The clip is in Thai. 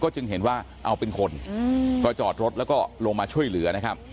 จึงเห็นว่าเอาเป็นคนก็จอดรถแล้วก็ลงมาช่วยเหลือนะครับ